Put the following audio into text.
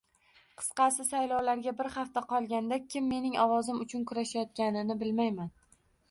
Qisqasi, saylovlarga bir hafta qolganda, kim mening ovozim uchun kurashayotganini bilmayman